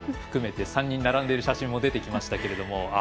高木選手含めて３人並んでいる写真も出てきましたけれども。